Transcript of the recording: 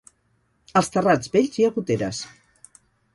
Als terrats vells hi ha goteres.